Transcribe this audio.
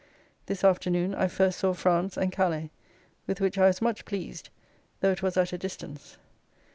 This afternoon I first saw France and Calais, with which I was much pleased, though it was at a distance.